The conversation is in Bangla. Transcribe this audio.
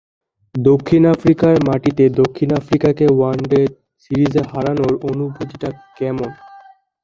দক্ষিণ আফ্রিকার মাটিতে দক্ষিণ আফ্রিকাকে ওয়ানডে সিরিজে হারানোর অনুভূতিটা কেমন?